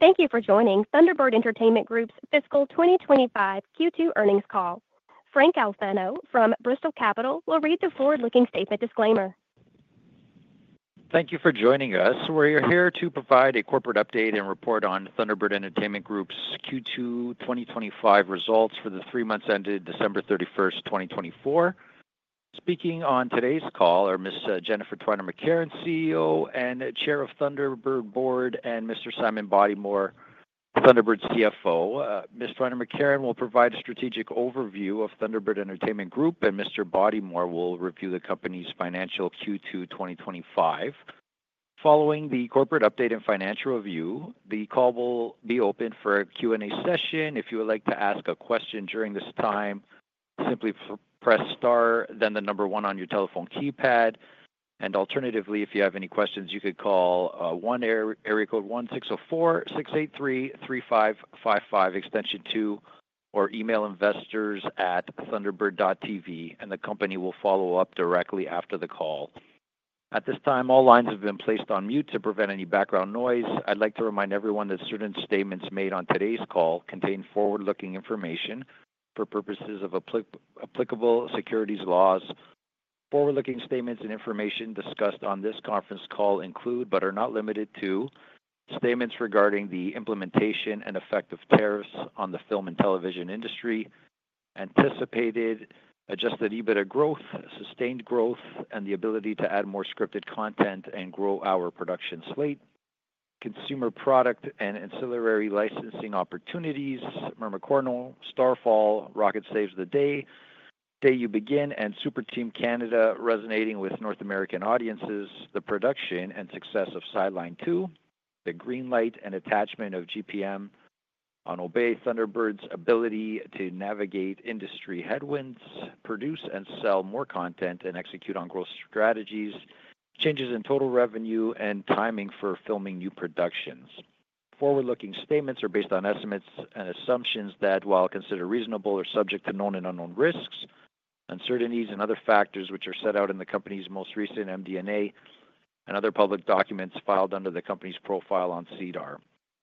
Thank you for joining Thunderbird Entertainment Group's Fiscal 2025 Q2 Earnings Call. Frank Alfano from Bristol Capital will read the forward-looking statement disclaimer. Thank you for joining us. We're here to provide a corporate update and report on Thunderbird Entertainment Group's Q2 2025 results for the three months ended December 31, 2024. Speaking on today's call are Ms. Jennifer Twiner McCarron, CEO and Chair of the Thunderbird Board, and Mr. Simon Bodymore, Thunderbird CFO. Ms. Twiner McCarron will provide a strategic overview of Thunderbird Entertainment Group, and Mr. Bodymore will review the company's financial Q2 2025. Following the corporate update and financial review, the call will be open for a Q&A session. If you would like to ask a question during this time, simply press star, then the number one on your telephone keypad. Alternatively, if you have any questions, you could call 1-800-1604-683-3555, extension 2, or email investors@thunderbird.tv. The company will follow up directly after the call. At this time, all lines have been placed on mute to prevent any background noise. I'd like to remind everyone that certain statements made on today's call contain forward-looking information for purposes of applicable securities laws. Forward-looking statements and information discussed on this conference call include, but are not limited to, statements regarding the implementation and effect of tariffs on the film and television industry, anticipated adjusted EBITDA growth, sustained growth, and the ability to add more scripted content and grow our production slate, consumer product and ancillary licensing opportunities, Mermicorno: Starfall, Rocket Saves the Day, The Day You Begin, and Super Team Canada resonating with North American audiences, the production and success of Sidelined 2, the green light and attachment of GPM on Obey, Thunderbird's ability to navigate industry headwinds, produce and sell more content and execute on growth strategies, changes in total revenue, and timing for filming new productions. Forward-looking statements are based on estimates and assumptions that, while considered reasonable, are subject to known and unknown risks, uncertainties, and other factors which are set out in the company's most recent MD&A and other public documents filed under the company's profile on SEDAR+.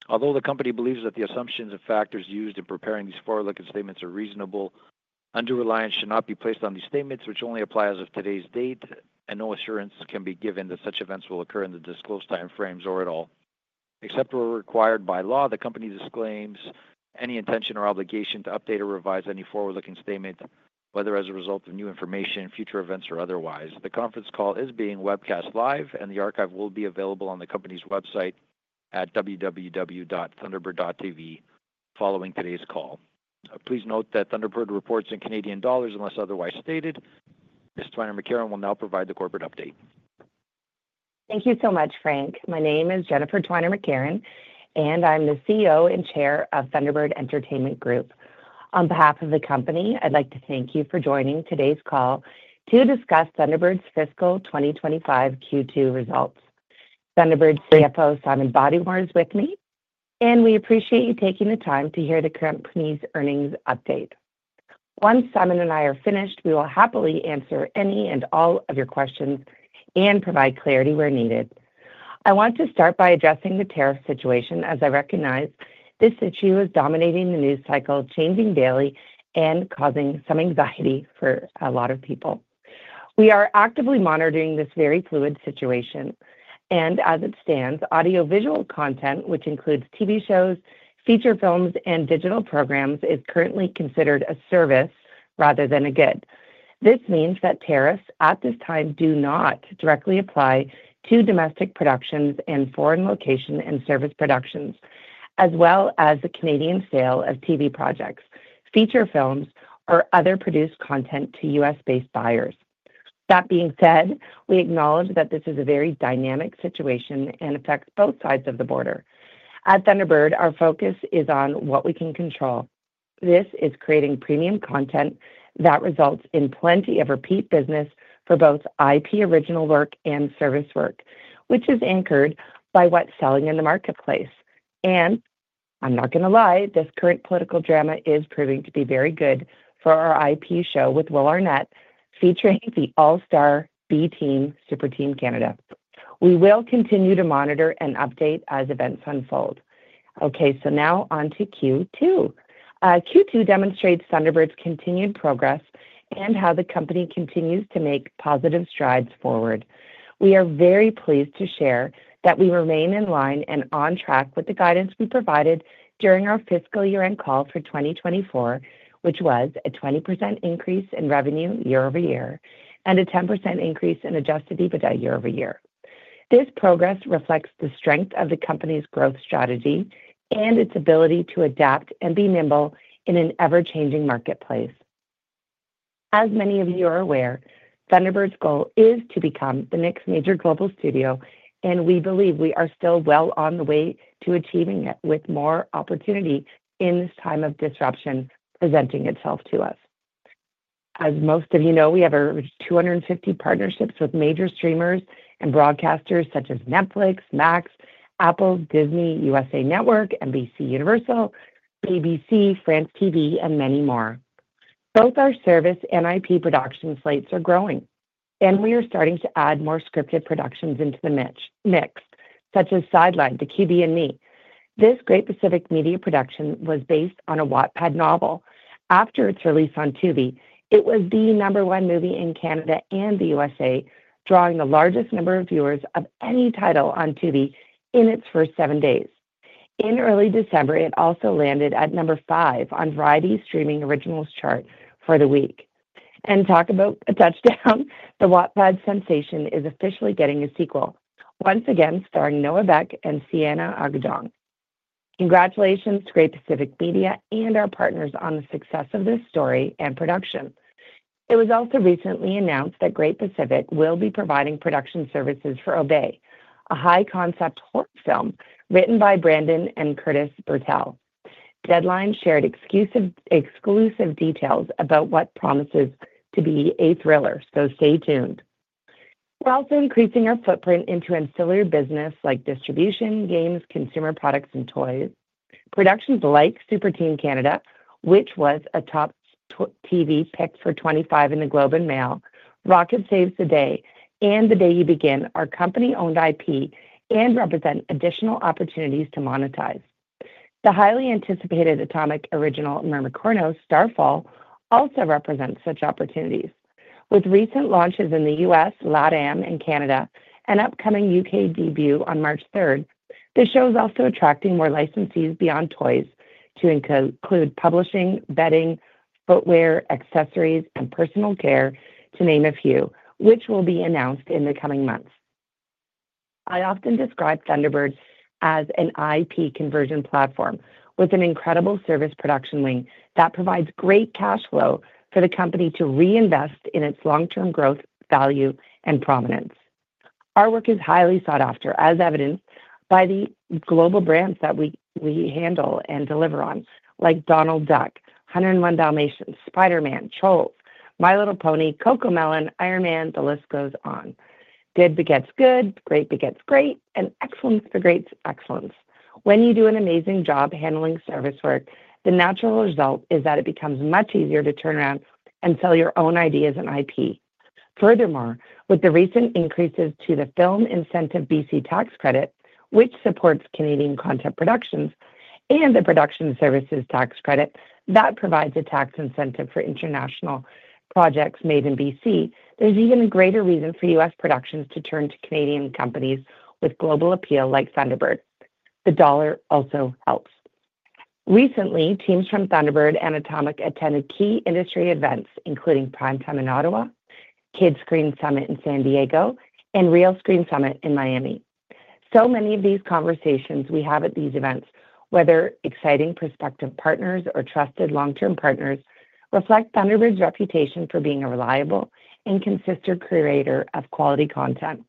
Although the company believes that the assumptions and factors used in preparing these forward-looking statements are reasonable, underwriting should not be placed on these statements, which only apply as of today's date, and no assurance can be given that such events will occur in the disclosed timeframes or at all. Except where required by law, the company disclaims any intention or obligation to update or revise any forward-looking statement, whether as a result of new information, future events, or otherwise. The conference call is being webcast live, and the archive will be available on the company's website at www.thunderbird.tv following today's call. Please note that Thunderbird reports in Canadian dollars unless otherwise stated. Ms. Twiner McCarron will now provide the corporate update. Thank you so much, Frank. My name is Jennifer Twiner McCarron, and I'm the CEO and Chair of Thunderbird Entertainment Group. On behalf of the company, I'd like to thank you for joining today's call to discuss Thunderbird's fiscal 2025 Q2 results. Thunderbird CFO Simon Bodymore is with me, and we appreciate you taking the time to hear the company's earnings update. Once Simon and I are finished, we will happily answer any and all of your questions and provide clarity where needed. I want to start by addressing the tariff situation, as I recognize this issue is dominating the news cycle, changing daily and causing some anxiety for a lot of people. We are actively monitoring this very fluid situation. As it stands, audiovisual content, which includes TV shows, feature films, and digital programs, is currently considered a service rather than a good. This means that tariffs at this time do not directly apply to domestic productions and foreign location and service productions, as well as the Canadian sale of TV projects, feature films, or other produced content to U.S.-based buyers. That being said, we acknowledge that this is a very dynamic situation and affects both sides of the border. At Thunderbird, our focus is on what we can control. This is creating premium content that results in plenty of repeat business for both IP original work and service work, which is anchored by what is selling in the marketplace. I am not going to lie, this current political drama is proving to be very good for our IP show with Will Arnett featuring the All-Star B-Team Super Team Canada. We will continue to monitor and update as events unfold. Okay, now on to Q2. Q2 demonstrates Thunderbird's continued progress and how the company continues to make positive strides forward. We are very pleased to share that we remain in line and on track with the guidance we provided during our fiscal year-end call for 2024, which was a 20% increase in revenue year-over-year and a 10% increase in adjusted EBITDA year-over-year. This progress reflects the strength of the company's growth strategy and its ability to adapt and be nimble in an ever-changing marketplace. As many of you are aware, Thunderbird's goal is to become the next major global studio, and we believe we are still well on the way to achieving it with more opportunity in this time of disruption presenting itself to us. As most of you know, we have over 250 partnerships with major streamers and broadcasters such as Netflix, Max, Apple, Disney, USA Network, NBC Universal, ABC, France TV, and many more. Both our service and IP production slates are growing, and we are starting to add more scripted productions into the mix, such as Sidelined: The QB and Me. This Great Pacific Media production was based on a Wattpad novel. After its release on Tubi, it was the number one movie in Canada and the US, drawing the largest number of viewers of any title on Tubi in its first seven days. In early December, it also landed at number five on Variety's streaming originals chart for the week. Talk about a touchdown. The Wattpad sensation is officially getting a sequel, once again starring Noah Beck and Sienna Agudong. Congratulations to Great Pacific Media and our partners on the success of this story and production. It was also recently announced that Great Pacific will be providing production services for Obey, a high-concept horror film written by Brandon and Kurtis Birtell. Deadline shared exclusive details about what promises to be a thriller, so stay tuned. We're also increasing our footprint into ancillary business like distribution, games, consumer products, and toys. Productions like Super Team Canada, which was a top TV pick for 25 in the Globe and Mail, Rocket Saves the Day, and The Day You Begin are company-owned IP and represent additional opportunities to monetize. The highly anticipated Atomic original Mermicorno: Starfall also represents such opportunities. With recent launches in the U.S., LATAM, and Canada, and upcoming U.K. debut on March 3, the show is also attracting more licensees beyond toys to include publishing, bedding, footwear, accessories, and personal care, to name a few, which will be announced in the coming months. I often describe Thunderbird as an IP conversion platform with an incredible service production wing that provides great cash flow for the company to reinvest in its long-term growth, value, and prominence. Our work is highly sought after, as evidenced by the global brands that we handle and deliver on, like Donald Duck, 101 Dalmatians, Spider-Man, Trolls, My Little Pony, Cocomelon, Iron Man. The list goes on. Good begets good. Great begets great. Excellence begets excellence. When you do an amazing job handling service work, the natural result is that it becomes much easier to turn around and sell your own ideas and IP. Furthermore, with the recent increases to the film incentive BC tax credit, which supports Canadian content productions, and the production services tax credit that provides a tax incentive for international projects made in BC, there is even a greater reason for US productions to turn to Canadian companies with global appeal like Thunderbird. The dollar also helps. Recently, teams from Thunderbird and Atomic attended key industry events, including Prime Time in Ottawa, Kidscreen Summit in San Diego, and Realscreen Summit in Miami. Many of these conversations we have at these events, whether exciting prospective partners or trusted long-term partners, reflect Thunderbird's reputation for being a reliable and consistent creator of quality content.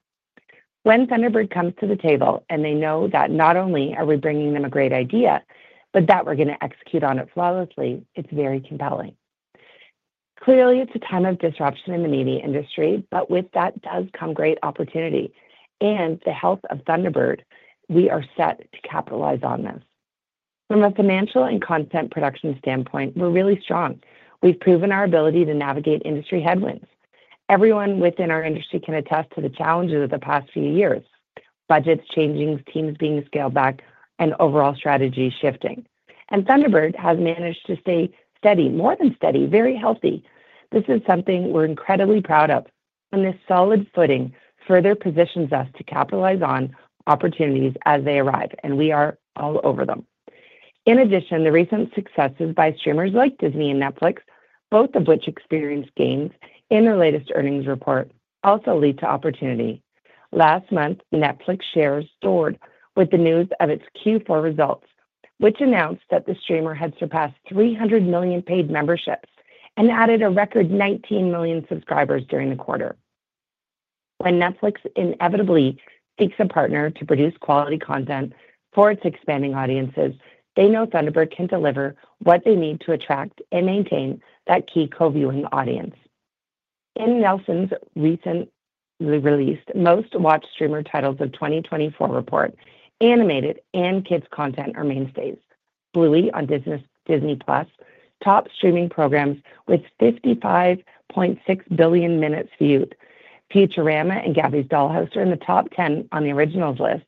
When Thunderbird comes to the table and they know that not only are we bringing them a great idea, but that we're going to execute on it flawlessly, it's very compelling. Clearly, it's a time of disruption in the media industry, but with that does come great opportunity. The health of Thunderbird, we are set to capitalize on this. From a financial and content production standpoint, we're really strong. We've proven our ability to navigate industry headwinds. Everyone within our industry can attest to the challenges of the past few years: budgets changing, teams being scaled back, and overall strategy shifting. Thunderbird has managed to stay steady, more than steady, very healthy. This is something we're incredibly proud of. This solid footing further positions us to capitalize on opportunities as they arrive, and we are all over them. In addition, the recent successes by streamers like Disney and Netflix, both of which experienced gains in their latest earnings report, also lead to opportunity. Last month, Netflix shares soared with the news of its Q4 results, which announced that the streamer had surpassed 300 million paid memberships and added a record 19 million subscribers during the quarter. When Netflix inevitably seeks a partner to produce quality content for its expanding audiences, they know Thunderbird can deliver what they need to attract and maintain that key co-viewing audience. In Nielsen's recently released Most Watched Streamer Titles of 2024 report, animated and kids' content are mainstays. Bluey on Disney+ tops streaming programs with 55.6 billion minutes viewed. Futurama and Gabby's Dollhouse are in the top 10 on the originals list.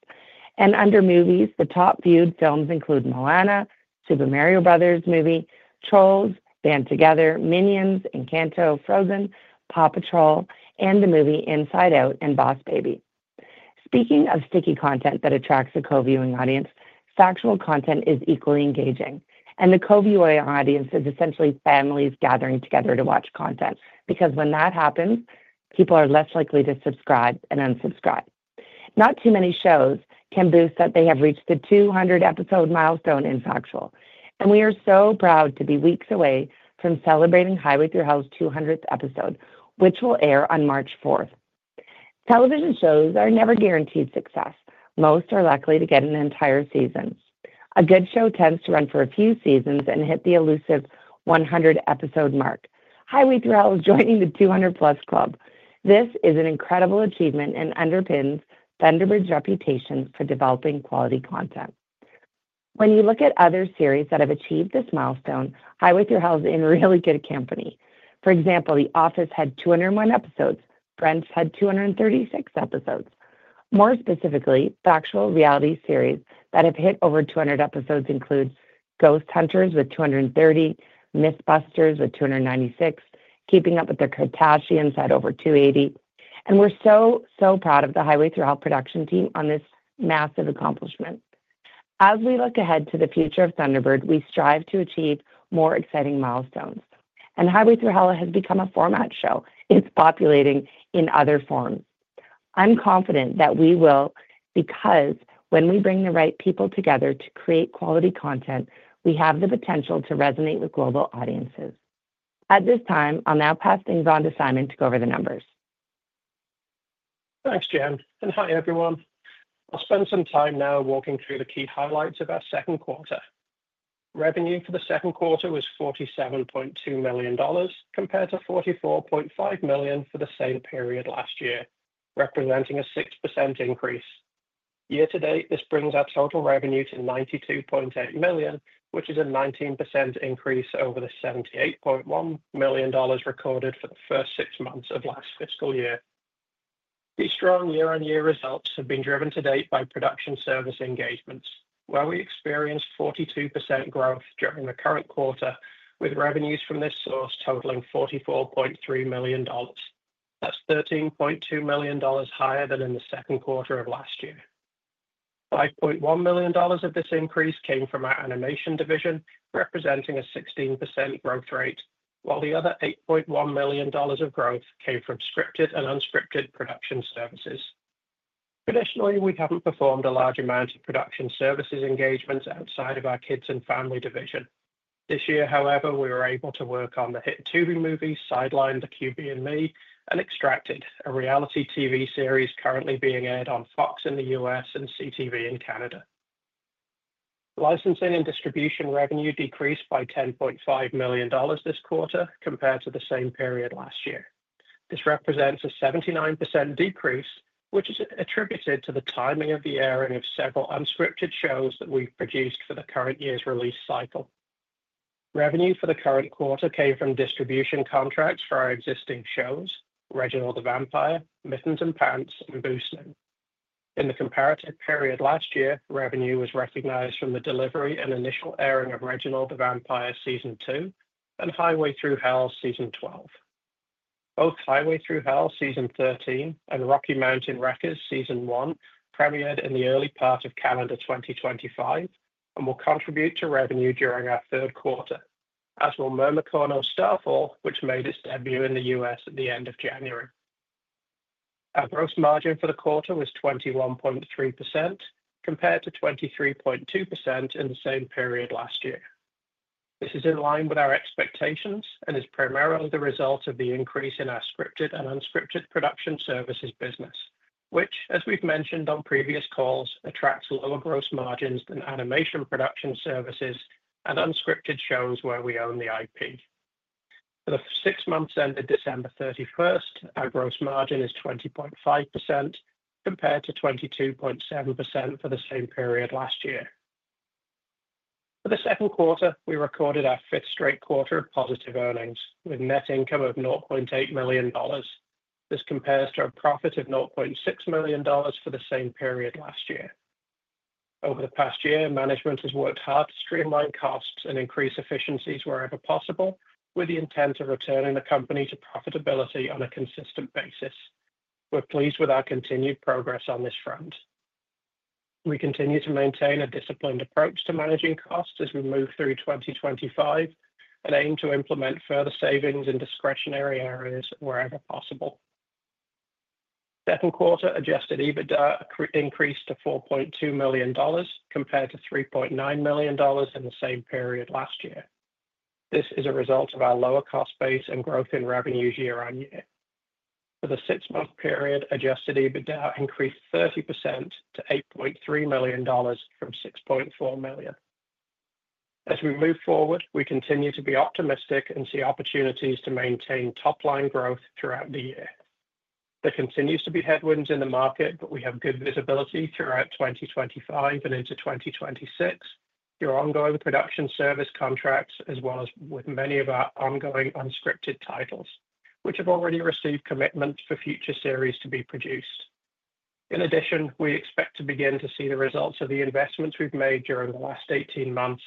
Under movies, the top viewed films include Moana, Super Mario Bros. Movie, Trolls Band Together, Minions, Encanto, Frozen, Paw Patrol, and the movie Inside Out and Boss Baby. Speaking of sticky content that attracts a co-viewing audience, factual content is equally engaging. The co-viewing audience is essentially families gathering together to watch content because when that happens, people are less likely to subscribe and unsubscribe. Not too many shows can boast that they have reached the 200-episode milestone in factual. We are so proud to be weeks away from celebrating Highway Thru Hell's 200th episode, which will air on March 4th. Television shows are never guaranteed success. Most are likely to get an entire season. A good show tends to run for a few seasons and hit the elusive 100-episode mark. Highway Thru Hell is joining the 200-plus club. This is an incredible achievement and underpins Thunderbird's reputation for developing quality content. When you look at other series that have achieved this milestone, Highway Thru Hell is in really good company. For example, The Office had 201 episodes. Friends had 236 episodes. More specifically, factual reality series that have hit over 200 episodes include Ghost Hunters with 230, Mythbusters with 296, Keeping Up with the Kardashians at over 280. We are so, so proud of the Highway Thru Hell production team on this massive accomplishment. As we look ahead to the future of Thunderbird, we strive to achieve more exciting milestones. Highway Thru Hell has become a format show. It is populating in other forms. I am confident that we will because when we bring the right people together to create quality content, we have the potential to resonate with global audiences. At this time, I will now pass things on to Simon to go over the numbers. Thanks, Jen. Hi, everyone. I'll spend some time now walking through the key highlights of our second quarter. Revenue for the second quarter was 47.2 million dollars compared to 44.5 million for the same period last year, representing a 6% increase. Year to date, this brings our total revenue to 92.8 million, which is a 19% increase over the 78.1 million dollars recorded for the first six months of last fiscal year. These strong year-on-year results have been driven to date by production service engagements, where we experienced 42% growth during the current quarter, with revenues from this source totaling 44.3 million dollars. That's 13.2 million dollars higher than in the second quarter of last year. 5.1 million dollars of this increase came from our animation division, representing a 16% growth rate, while the other 8.1 million dollars of growth came from scripted and unscripted production services. Additionally, we haven't performed a large amount of production services engagements outside of our kids and family division. This year, however, we were able to work on the hit Tubi movies, Sidelined: The QB, and Me, and Extracted, a reality TV series currently being aired on Fox in the U.S. and CTV in Canada. Licensing and distribution revenue decreased by 10.5 million dollars this quarter compared to the same period last year. This represents a 79% decrease, which is attributed to the timing of the airing of several unscripted shows that we've produced for the current year's release cycle. Revenue for the current quarter came from distribution contracts for our existing shows, Reginald the Vampire, Mittens and Pants, and Boot Camp. In the comparative period last year, revenue was recognized from the delivery and initial airing of Reginald the Vampire, Season 2, and Highway Thru Hell, Season 12. Both Highway Thru Hell, Season 13, and Rocky Mountain Wreckers, Season 1, premiered in the early part of calendar 2025 and will contribute to revenue during our third quarter, as will Mermicorno: Starfall, which made its debut in the US at the end of January. Our gross margin for the quarter was 21.3% compared to 23.2% in the same period last year. This is in line with our expectations and is primarily the result of the increase in our scripted and unscripted production services business, which, as we've mentioned on previous calls, attracts lower gross margins than animation production services and unscripted shows where we own the IP. For the six months ended December 31, our gross margin is 20.5% compared to 22.7% for the same period last year. For the second quarter, we recorded our fifth straight quarter of positive earnings with net income of CAD $0.8 million. This compares to a profit of CAD $0.6 million for the same period last year. Over the past year, management has worked hard to streamline costs and increase efficiencies wherever possible, with the intent of returning the company to profitability on a consistent basis. We're pleased with our continued progress on this front. We continue to maintain a disciplined approach to managing costs as we move through 2025 and aim to implement further savings in discretionary areas wherever possible. Second quarter adjusted EBITDA increased to CAD $4.2 million compared to CAD $3.9 million in the same period last year. This is a result of our lower cost base and growth in revenues year on year. For the six-month period, adjusted EBITDA increased 30% to CAD $8.3 million from CAD $6.4 million. As we move forward, we continue to be optimistic and see opportunities to maintain top-line growth throughout the year. There continues to be headwinds in the market, but we have good visibility throughout 2025 and into 2026 through ongoing production service contracts, as well as with many of our ongoing unscripted titles, which have already received commitments for future series to be produced. In addition, we expect to begin to see the results of the investments we've made during the last 18 months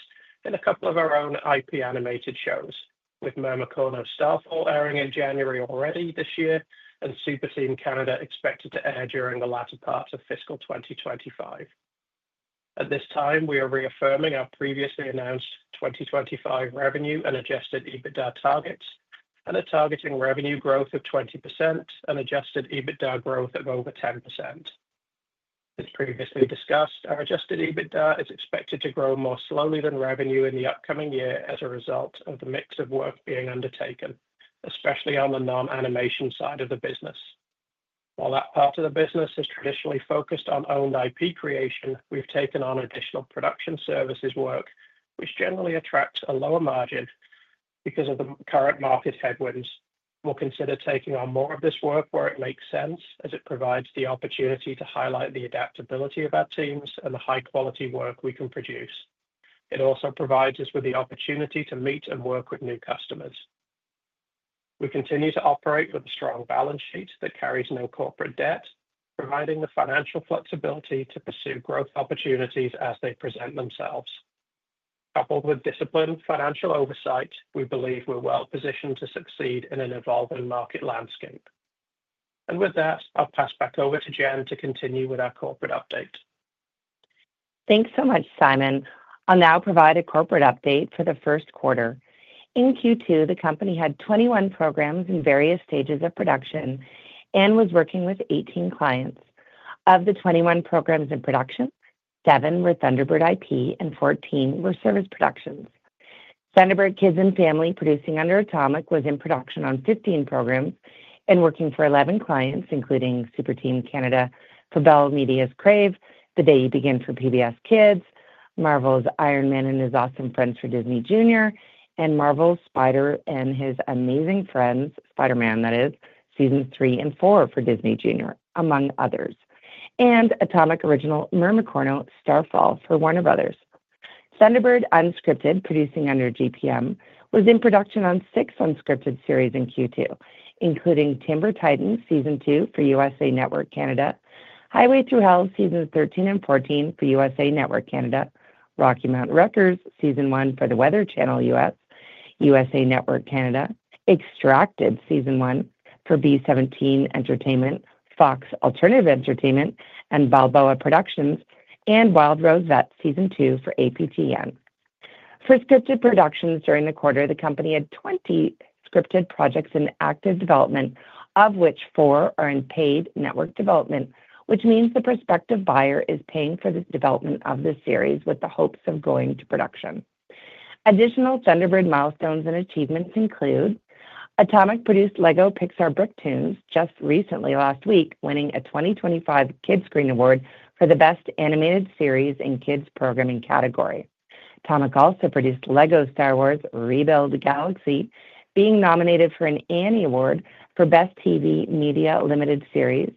in a couple of our own IP animated shows, with Mermicorno: Starfall airing in January already this year and Super Team Canada expected to air during the latter part of fiscal 2025. At this time, we are reaffirming our previously announced 2025 revenue and adjusted EBITDA targets and are targeting revenue growth of 20% and adjusted EBITDA growth of over 10%. As previously discussed, our adjusted EBITDA is expected to grow more slowly than revenue in the upcoming year as a result of the mix of work being undertaken, especially on the non-animation side of the business. While that part of the business is traditionally focused on owned IP creation, we've taken on additional production services work, which generally attracts a lower margin because of the current market headwinds. We'll consider taking on more of this work where it makes sense, as it provides the opportunity to highlight the adaptability of our teams and the high-quality work we can produce. It also provides us with the opportunity to meet and work with new customers. We continue to operate with a strong balance sheet that carries no corporate debt, providing the financial flexibility to pursue growth opportunities as they present themselves. Coupled with disciplined financial oversight, we believe we're well positioned to succeed in an evolving market landscape. With that, I'll pass back over to Jen to continue with our corporate update. Thanks so much, Simon. I'll now provide a corporate update for the first quarter. In Q2, the company had 21 programs in various stages of production and was working with 18 clients. Of the 21 programs in production, seven were Thunderbird IP and 14 were service productions. Thunderbird Kids and Family, producing under Atomic, was in production on 15 programs and working for 11 clients, including Super Team Canada, Bell Media's Crave, The Day You Begin for PBS Kids, Marvel's Iron Man and His Awesome Friends for Disney Jr., and Marvel's Spidey and His Amazing Friends, Spider-Man, that is, Seasons 3 and 4 for Disney Jr., among others. Atomic original Mermicorno: Starfall for Warner Bros. Thunderbird Unscripted, producing under GPM, was in production on six unscripted series in Q2, including Timber Titans, Season 2 for USA Network Canada, Highway Thru Hell, Seasons 13 and 14 for USA Network Canada, Rocky Mountain Wreckers, Season 1 for The Weather Channel US, USA Network Canada, Extracted, Season 1 for B17 Entertainment, Fox Alternative Entertainment and Balboa Productions, and Wild Rose Vets, Season 2 for APTN. For scripted productions during the quarter, the company had 20 scripted projects in active development, of which four are in paid network development, which means the prospective buyer is paying for the development of the series with the hopes of going to production. Additional Thunderbird milestones and achievements include Atomic produced LEGO Pixar: BrickToons just recently last week, winning a 2025 Kidscreen Award for the best animated series in kids' programming category. Atomic also produced LEGO Star Wars: Rebuild the Galaxy, being nominated for an Annie Award for best TV media limited series.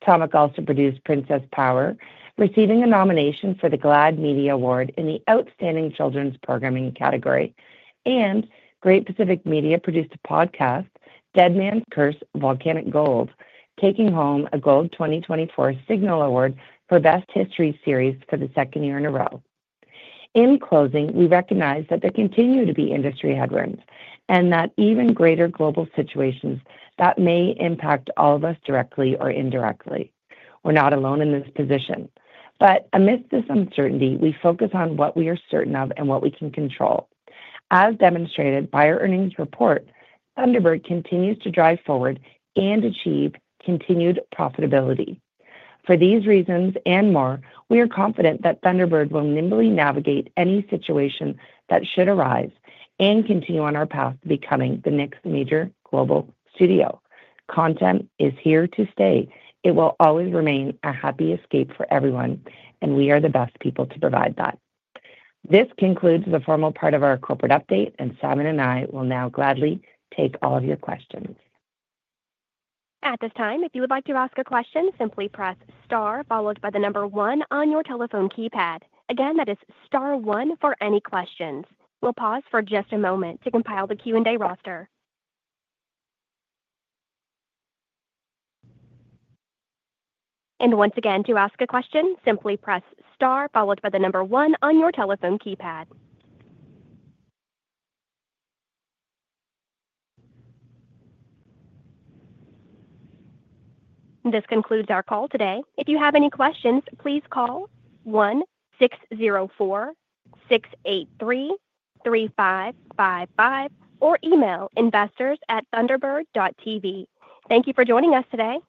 Atomic also produced Princess Power, receiving a nomination for the GLAAD Media Award in the outstanding children's programming category. Great Pacific Media produced a podcast, Deadman's Curse: Volcanic Gold, taking home a Gold 2024 Signal Award for best history series for the second year in a row. In closing, we recognize that there continue to be industry headwinds and that even greater global situations that may impact all of us directly or indirectly. We're not alone in this position. Amidst this uncertainty, we focus on what we are certain of and what we can control. As demonstrated by our earnings report, Thunderbird continues to drive forward and achieve continued profitability. For these reasons and more, we are confident that Thunderbird will nimbly navigate any situation that should arise and continue on our path to becoming the next major global studio. Content is here to stay. It will always remain a happy escape for everyone, and we are the best people to provide that. This concludes the formal part of our corporate update, and Simon and I will now gladly take all of your questions. At this time, if you would like to ask a question, simply press star followed by the number one on your telephone keypad. Again, that is star one for any questions. We'll pause for just a moment to compile the Q&A roster. Once again, to ask a question, simply press star followed by the number one on your telephone keypad. This concludes our call today. If you have any questions, please call 1-604-683-3555 or email investors@thunderbird.tv. Thank you for joining us today.